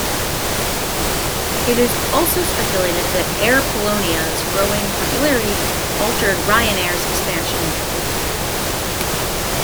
It is also speculated that Air Polonia's growing popularity altered Ryanair's expansion into Poland.